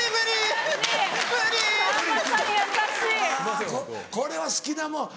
あこれは好きなもん。